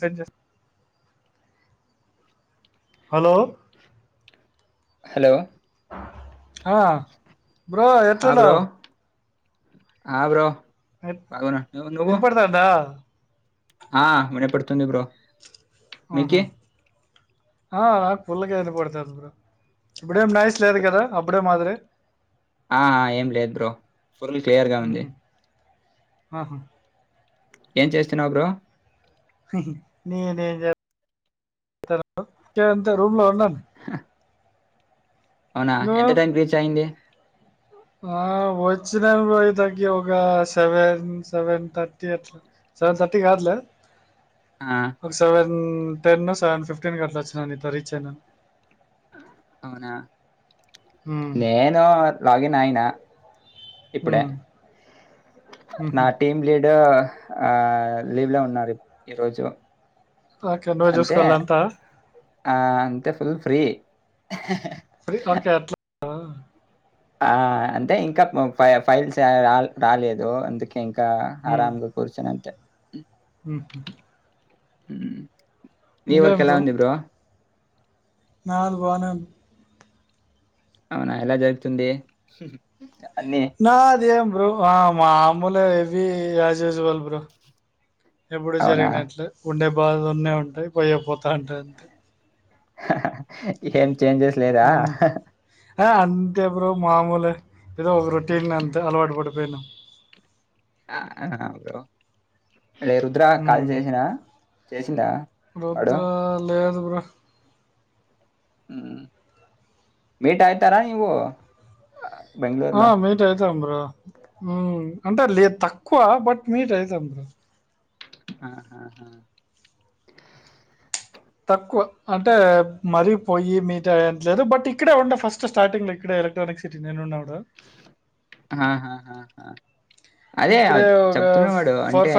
Send చేస్తా. Hello! Hello ఆ bro ఆ బ్రో ఎట్లుండావ్. ఆ బ్రో ఎట్- బాగున్నా. నువ్వు వినపడతాందా ఆ వినపడుతుంది బ్రో. మ్ హూ మీకి ఆహా! ఆ పుల్ల గాలి పడుతాంది బ్రో. ఇప్పుడే నాయిస్ లేదు కదా అప్పుడే మాదిరి. ఆ ఏం లేదు బ్రో ఫుల్ క్లియర్ గా ఉంది. ఉహు. ఆహా! ఏం చేస్తున్నావ్ బ్రో నేనేం చేస్తా బ్రో రూమ్ లో ఉన్నాను. అవునా నువ్వు ఎంత టైంకి రీచ్ అయింది. ఆ వచ్చినాను బ్రో పోయి తగ్గి ఒక సెవెన్ సెవెన్ థర్టీ అట్ల. సెవెన్ థర్టీ కాదు లే ఆ ఒక సెవెన్. టెన్ సెవెన్ ఫిఫ్టీన్ క అట్లొచ్చినా నీతో రీచ్ అయినా. అవునా? నేను లాగిన్ అయిన. ఇప్పుడే నా టీమ్ లీడ్ ఆ లీవ్ లో ఉన్నారు ఈరోజు ఓకే నువ్వు అంతే చూసుకోవాలంతా ఆ అంతే ఫుల్ ఫ్రీ ఫ్రీ ఓకే అట్ల ఆ అంటే ఇంకా ఫైల్స్ రాలేదు అందుకే ఇంక ఉమ్, ఆరామ్గా కూర్చన అంత ఉమ్. నీ వర్క ఎలా ఉంది బ్రో నాది బానే ఉంది అవున ఎలా జరుగుతుంది అన్ని నాదేం బ్రో అ మాములే ఇవి యాజుజువల్ ఎప్పుడు అవునా జరిగినట్లే ఉండే బాధ ఉన్న ఉంటాయి పోయి పోతా ఉంటా అంతే ఏం చేంజెస్ లేదా ఉమ్. అంతే బ్రో మామూలే ఏదో ఒక రొటీన్ అంత అలవాటు పడిపోయినాం ఆ అ రే రుద్ర కాల్ ఉమ్. చేసినా చేసిండా రుద్ర వాడు లేదు బ్రో మీట్ అయితార నువ్వు ఆ బెంగళూరులో మీట్ అయితాం బ్రో బ్రో అంటే లేదు తక్కువ బట్ మీట్ అయితం బ్రో అ ఆహా తక్కువ అంటే మరీ పోయి మీట్ అయి ఏం లేదు బట్ ఇక్కడే ఉండే ఫస్ట్ స్టార్టింగ్ లో ఇక్కడే ఎలక్ట్రానిక్ సిటీ నేను ఉన్నాపడు ఆహా అదే ఒక చెప్తున్న వాడు అంటే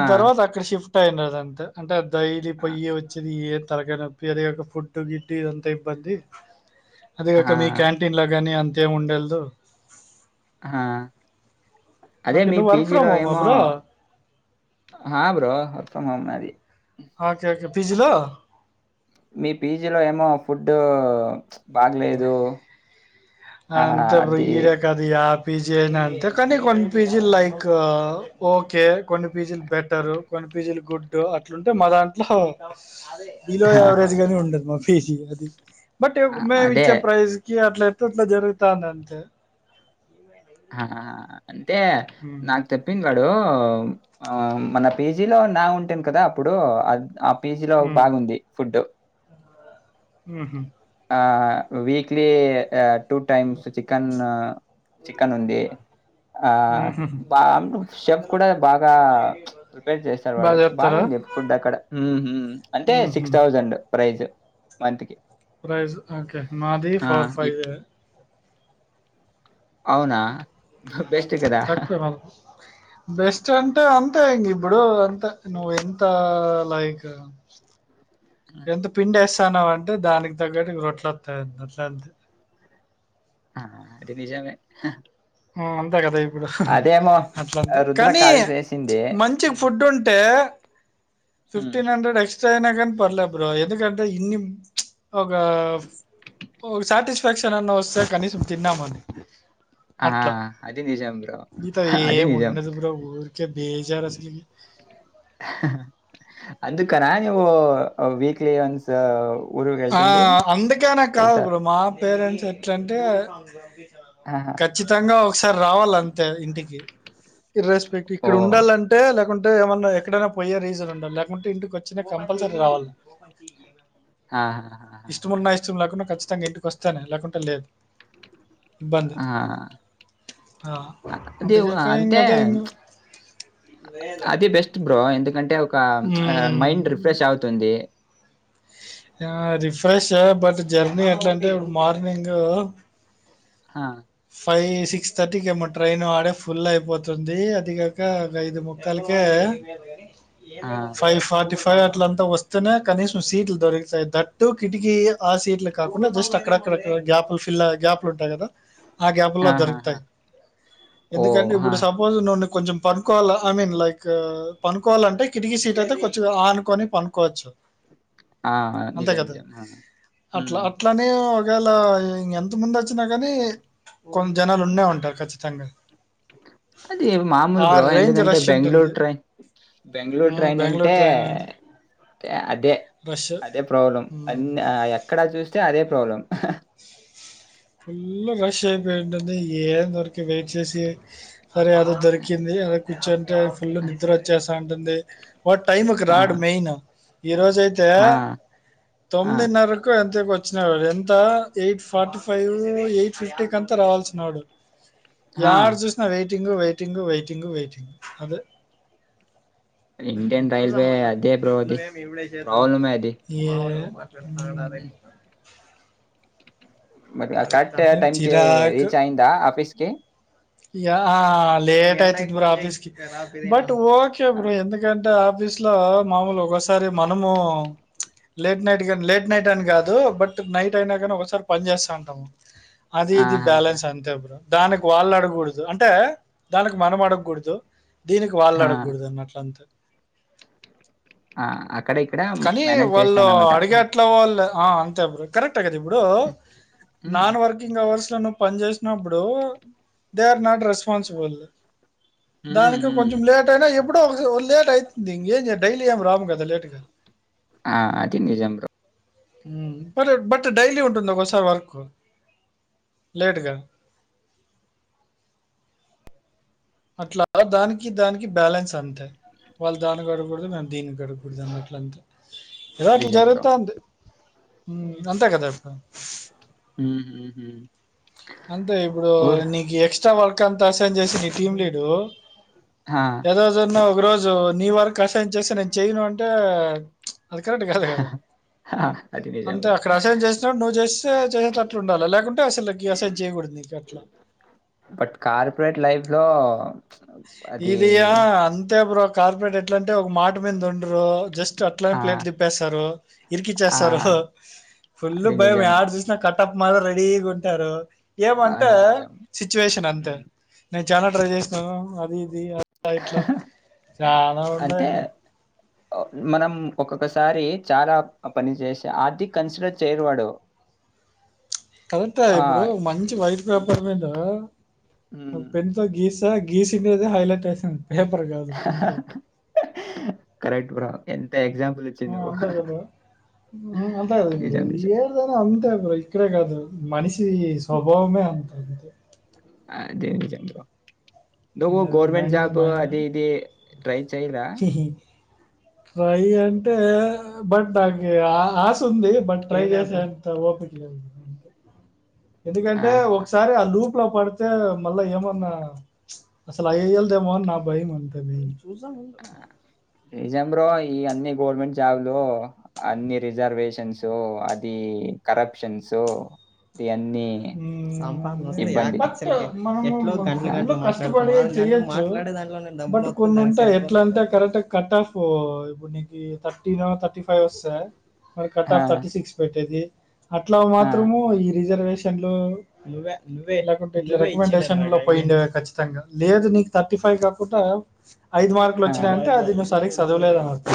ఆ తర్వాత అక్కడ షిఫ్ట్ అయినది అంతే అంటే డైలి పొయ్యి వచ్చేది తలకాయి నొప్పి అది ఒక ఫుడ్ గిడ్టి ఇదంతా ఇబ్బంది ఆ అదేగాక మీ క్యాంటీన్లో కానీ అంతేం ఉండల్ దు హా అదే ఓకే. మీ నువ్వు వర్క్ పీజిలో ఫ్రమ్ హోమా ఏమో బ్రో? హా బ్రో వర్క్ ఫ్రొం హోం అన్నారు ఒకేఒకే పీజి లో మీ పీజీలో ఏమో ఫుడ్ బాగలేదు ఆ అంతే బ్రో అది ఇది కాదు యా పీజీ అయినా అంటే కానీ కొన్ని పీజీలు లైక్ ఓకే కొన్ని పీజీలు బెటర్ కొ పీజీలు గుడ్డు అట్లుంటే మా దాంట్లో బిలో ఆహా. యావరేజ్ గాని ఉండదు మా పేజీ అది అ- మేమి అదే ఇచ్చే ప్రైజ్ కి అట్లా ఎతే ఇట్లా జరుగుతాంది అంతే ఆహా అంతే ఉమ్, నాకు తప్పింది ఆ మన పేజీలో నా ఉంటాను కదా అప్పుడు పీజీ లో ఉమ్, బాగుంది ఫుడ్ హ ఆ weekly two times chicken chicken ఉంది ఆ ఉమ్హు. బా షెఫ్ కూడా బాగా ప్రిపేర్ చేస్తారు వాడు బాగా చెప్తారా బాగుంది ఫుడ్ అక్కడ అంటే ఉమ్హు. సిక్స్ థౌజండ్ ప్రైజ్ మంత్ కి ప్రైస్ ఓకే హ మాది ఆ ఫోర్ ఫైవ్ ఇప్ అవునా బెస్ట్ కదా తక్కువే మది బెస్ట్ అంటే అంతే ఇ ఇడు అంత నువ్ ఎంత లైక్ ఎంత పిండేస్ ఇస్తన్నావ అంటే దానికి తగ్గట్టు రొట్లు వస్తాయి అట్లాంతే ఆ అది నిజమే ఆ అంతా కదా ఇప్పుడు అదేమో అట్లాంటే రుద్ర కానీ కాల్ చేసింది మంచిగా ఉమ్ ఫుడ్ ఉంటే హ్మ్. ఫిఫటీన్ హండ్రెడ్ ఎస్ సయినా గాని పర్లే బ్రో ఎందుకంటే ఇన్ని ఒక ఓ సాటిస్ఫ్యాక్షన్ అన్న వస్తే కనీసం తిన్నామని ఆ అట్లా. అది నిజం బ్రో ఇక అది నిజం ఏముండదు బ్రో ఊర్ కే బేజారసలు అందుకనా నువ్వు వీక్లీ వన్స్ ఊరుకి ఆ వెళ్తుంది అందుకే నే కాదు వెళ్తారు బ్రో మా పేరెంట్స్ ఎట్లంటే ఆహా. ఖచ్చితంగా ఒకసారి రావాల అంతే ఇంటికి ఇర్రేస్పెక్ట్ ఓ ఇక్కడ ఉండాలంటే లేకు అంటే ఏమన్నా ఎక్కడన్నా పోయ్యే రీజనుండల్ల లేకుంటే ఇంటికొచ్చినా కంపల్సరీ రావల్ల. ఆహాహాహా. ఇష్టమున్నా ఇష్టం లేకుండా ఖచ్చితంగా ఇంటికొస్తేనే లేకుంటే లేదు. ఇబ్బంది ఆ ఆ, అది గున అందుకాక అంతే ఇంకదే ఇంకో అది బెస్ట్ బ్రో ఎందుకంటే ఒక మైండ్ రిఫ్రెష్ అవుతుంది. ఆ రిఫ్రెష్ బట్ జర్నీ ఎట్లంటే ఇప్పుడు మార్నింగ్ హా ఫైవ్ సిక్స్ థర్టీ కేమో ట్రైన్ ఆడే ఫుల్ అయిపోతుంది అది కాక ఇంగైదు ముక్కాల్కే అ ఆ, ఫైవ్ ఫార్టీ ఫైవ్ అట్లంతా వస్తేనే కనీసం సీట్లు దొరుకుతాయి దట్టు కిటికీ ఆ సీట్లు కాకుండా జస్ట్ అక్కడ అక్కడక్కడ గ్యాప్లు ఫిల్లయ్ గ్యాప్లుంటాయి కదా ఆ గ్యాప్ ల్లో ఆహాహా. దొరుకుతాయి ఓ ఎందుకంటే ఆ, ఇప్పుడు సపోజ్ నువు ను కొంచెం పనుకోవల్ల ఐ మీన్ లైక్ పనుకోవాలంటే కిటికీ సీట్ అయితే కొంచెం ఆనుకొని పనుకోవచ్చు. ఆ, అంతే నిజం కదా నిజం ఆ. అట్ల హ్మ్. అట్లనే పొద్దుగాల ఎంత ముందొచ్చినా కానీ కొన్ జనాలు ఉన్నే ఉంటారు ఖచ్చితంగా అది మామూలు ఆ బ్రో రేంజ్ ఎందుకంటే రష్ బెంగ్ళూరు ఉంటుంది ట్రై బెంగ్ళూరు ఉమ్, ట్రైన్ బెంగళూరు అంటే ట్రైన్ అని టే అదే రష్ అదే ప్రాబ్లం ఉమ్, అన్న్ ఆ ఎక్కడా చూసిన అదే ప్రాబ్లం. హా హా ఫుల్ల్ రష్షయిపోయింటుంది. ఎందొర్ వెయిట్ చేసి అరే యాదో దొరికింది అని కూర్చుంటే ఫుల్ నిద్రోచ్చేస్తా ంటుంది. వాడు టైమ్కి ఆ, రాడు మెయిన్ ఈ రోజయితే ఆ, ఆ, తొమ్మిదిన్నరకో ఎం తకోచ్చినాడు వాడు ఎంత eight forty five eight fifty కంతా రావాల్సినోడు ఆ. యాడ చూసిన వెయిటింగ్ వెయిటింగ్ వెయిటింగ్ వెయిటింగ్ అదే ఇండియన్ రైల్వే చూజ్సాముండు అదే బ్రో అది నువ్వేమి ఇప్పుడే చేయద్దుండు. ప్రాబ్లమే అది ఏం వెళ్ళిరా నా సంన్డా ఉమ్. వెళ్ళిరా మరి కరెక్ట్గా టైంకి చిరాకు రీచయిందా ఆఫీస్ కి యా లేటయితది బ్రో ఆఫీస్కి బట్ ఓకే బబ్రో ఎందుక అంటే ఆఫీస్ లో మాముూలు ఒకోసారి మనము లేట్ నైటిగ లేట్ నైటని కాదు బట్ నైట్ అయినా కానీ ఒకోసారి పని చేస్తాంటాము. అది ఇది ఆహాహా. బ్యాలెన్స్ అంతే బ్రో దానికి వాళ్ళడగ్ కూడ్దు అంటే దానికి మనం అడగ్కూడదు దీనికి వాళ్ళు అడగ్కూడదు అన్నట్లంతే ఆ అట్ కానీ వాళ్ళు అడిగేట్లా వాళ్ళు ఆ అంతే బ్రో కరెక్టే గదిప్పుడు ఉమ్, నాన్ వర్కింగ్ అవర్స్ నువ్వు పని చేేసినప్పుడు దే ఆర్ నాట్ రెస్పాన్సిబుల్. ఉమ్, ఉమ్, దానికి ఉమ్. కొంచెం లేటయినా ఎప్పుడో ఒకస లేటయితుంది ఇంగేం చెప్ డైలీ ఏం రాం గద లేటుగా ఆ అది నిజం బ్రో. మ్ బట్ బట్ డైలీ ఉంటుందోకోసారి వర్క్. లేట్ గా. అ అట్లా దానికి దానికి బ్యాలెన్స్ అంతే వాళ్ళు దాన్ని కడగకూడదు మేము దీనికి అడకూడదుా అని అట్లంతా ఇలాట్లు నిజం బ్రో జరుగుతా అంది అంతే కదా అ హ అంతే ఇప్పుడు నీకు ఎక్స్ట్రా వర్క్ అంతా అసైన్ చేసి నీ టీమ్ లీడు ఆ, ఏదోజన్నా ఒక రోజు నీ వరకు కషాయం చేస్తే నేను చెయను అంటే వర్క్ ఔర్ కాలేదు ఆ, అది నిజం అంతే బ్రో అక్కడ అసలు ఏం చేసినాడు నువ్వు చేస్తే చేసేది అట్లు ఉండాలి లేకుంటే అసలు విసం చేయకూడంది కాట్లా బట్ కార్పొరేట్ లైఫ్లో అది ఇదియా అంతే బ్రో కార్పొరేట్ ఎట్లాంటే ఒక మాట మీద ఉండ్ర జస్ట్ అట్లానే ఆ ప్లేట్లు తిప్పేస్తారు ఆ ఇరికిచ్చేస్తారు ఫుల్ అది భయం నిజం ఆడ చూసినా కటప్ మాత్రం రెడీ ఉంటారు ఏమంటే అది నిజం సిచ్యువేషన్ అంతే హ్మ్. నేను చాలా టడ్రైవ్ చేసినాను అది ఇది అట్లా ఇతలా గానాఅన్నాయి అంటే ఇంకా మనం ఒక్కొక్కసారి చాలా పని చేసి ఆర్ది కన్సిడర్ చేయరువాడు కరెక్టా ఇప్పుడు ఒక మంచి ఇ వైట్ పేపర్ మీద ఒక హ్మ్ పెన్ త గీస్ గీసి అద హైలైట్ అసింది పేపర్ కాదు అంతే ఎక్జాంపుల్ వచ్చ ను్ అంతా అది ఏదా అంతా అ బ్ర ఇక్కడే కాదురు మనిష స్వభామే అంత [unintelligible] నుో ఆహ్, గవర్నమెంట్ మైండ్ జాబ్ మైండ్ అది ఇది ట్రై చేయిలా ట్రై అంటే బట్ నాకు ఆశ ఉంది బట్ ట్రై చేసేంత ఓపెన్ చే అ ఎందుకంటే ఆహా ఒకసారి ఆ లూపు లో పడితే మళ్ళా ఏమన్నా అసలుయి చల్ద మోన్ నా భాయి మనంత బ జో ఈ అన్ని గవర్నమెంట్ జాబ్లు అన్ని రిజర్వేష అది కరప్షన్స్ అన్నీ సంపా మస్త క ఇబ్బంది. బ ఎట్ గంట్ల ఆ! గంటలు కాస్టపడి చెయచ్చు బ కొన్ని ఎట్లా అంటే కరెక్ట్ కట్ ఆఫ్ ఇప్పుడు నీ థర్టీన్ థర్టీ ఫైవ్ వస్త మన కట్ ఆ! ఆఫ్ థర్టీ సిక్స్ పెట్టేది అట్లా ఆ! మాత్రము ఈ రిజర్వేషన్ డేషన్ లోయిచ్చితంగా లేదు నీ థర్టీ అయి కాకుండా ఐదు మార్కులు ఆ! వచ్చినాయంటే అది ను్ సరిగ్ చదువలేదు అన్నమా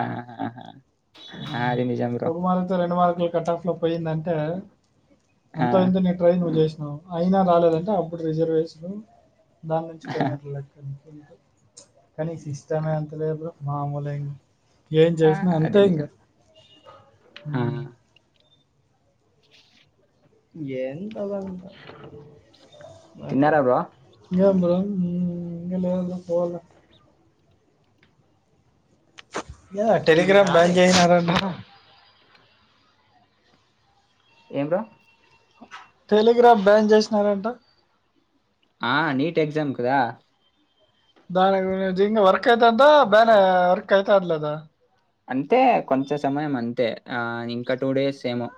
ఆ ఆ అది నిజం బ్రో. ఒక మార్తో రెండు మార్కులు కట్ ఆఫ్ లో పోయిందంటే ఆ! అంత ఇంత నీ ట్రై నువ్వు చేసినావు అయినా రాలేదంటే అప్పుడు రిజర్వేషలు దాని నుంచి పయిైనట్ లెక్క కానీ ఇష్టమ ఎంత లేదు్ర మామూలుం ఏం ఆ! చేసినా అది అంతే ఇంకా నిజం. ఆ! ఎంతంత మాకు తిన్నారా బ్రో? ఇ లే పోవాల యా టెలిగ్రామ్ బ్యాం అయనారాంట ఏంరా టెలిగ్రాఫ బ్యాన్ చేసినారంట ఆ నీట్ ఎక్జామ్ కదా దానికిింకా వర్క్ అయితందా బానే వర్క్ అయిత అర్లేదా అంతే కొంచె సమయం అంతే ఆ ఇంకా టూ డేస్ ఏమో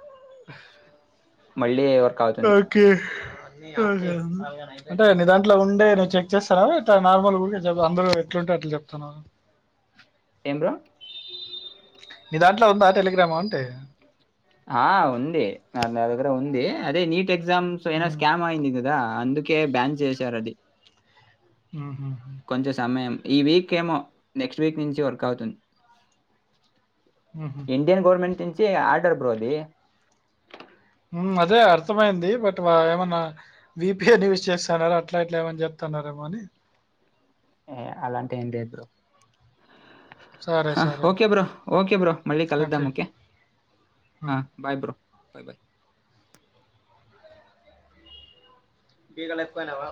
హ మళ్ళీ వర్క్ అవుతుంది. ఓకే అంటే నీ దాంట్లో ఉండే నేను చెక్ చేస్తాను నార్మల్ కూడా అందులో ఎట్లు అట్లా చెప్తతున్నా ఏం బ్రో నీ దాంట్లో ఉందా టెలిగ్రామ్ అంటే ఆ ఉంది నా దగ్గర ఉంది అదే నీట్ ఎక్జామ్స్ ఏ ఉమ్, స్కామ్ అయింది ఇ ద అందుకే బ్యాన్ చేశారు అది ఆ కొంచెం సమయం ఈ వీక్ ఏమో నెక్స్ట్ వీక్ నుంచి వర్క్ అవుతుంది ఉహు. ఇండియన్ గవర్నమెంట్ నుంచి ఆర్డర్ బ్రో అది అదే అర్థమైంది బట్ ఏమన్నా విపిఐ న్యూస్ చేస్తున్నారు ఆ అట్లా ఇట్లా ఏమని చెప్తున్నార మ ఏ అలాంటి ఏం లేదు సరే సరే ఓకే బ్రో ఓకే బ్రో మళ్ళీ ఓకే కలుద్దాము కె ఉమ్. బాయ్ బ్రో బాయ్ బాయ్ తీగలు ఎక్కువనావా